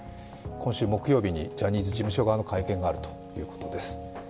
今週木曜日に、ジャニーズ事務所側の会見があるということです。